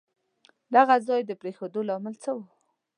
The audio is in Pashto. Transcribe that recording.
د هغه ځای د پرېښودو لامل څه وو؟